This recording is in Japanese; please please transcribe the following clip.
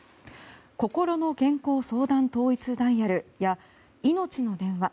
こころの健康相談統一ダイヤルやいのちの電話